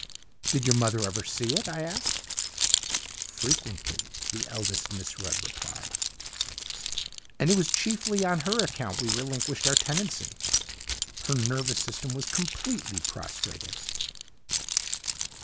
"Did your mother ever see it?" I asked. "Frequently," the eldest Miss Rudd replied, "and it was chiefly on her account we relinquished our tenancy her nervous system was completely prostrated."